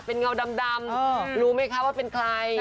เงาดำรู้ไหมคะว่าเป็นใคร